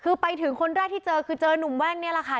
คือไปถึงคนแรกที่เจอคือเจอนุ่มแว่นนี่แหละค่ะ